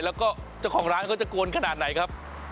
แล้วก็เจ้าของร้านเขาจะกวนขนาดไหนครับ